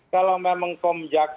kalau memang komjak